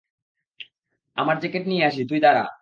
আমার জ্যাকেট নিয়ে আসি, তুই দাড়া!